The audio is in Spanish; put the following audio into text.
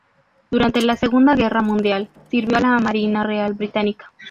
Durante la Segunda Guerra Mundial sirvió en la Marina Real Británica.